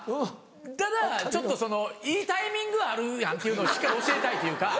ただちょっといいタイミングあるやんっていうのをしっかり教えたいというか。